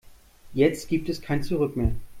Jetzt gibt es kein Zurück mehr.